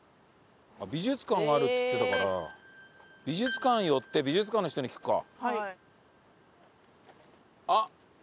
美術館があるって言ってたから美術館寄って美術館の人に聞くか。